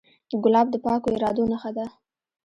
ګلاب د پاکو ارادو نښه ده.